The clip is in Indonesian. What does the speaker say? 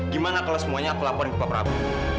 gimana kalau semuanya aku laporin ke pak prabowo